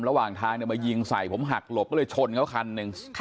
ระหว่างทางมายิงใส่ผมหักหลบก็เลยชนเขาคันหนึ่ง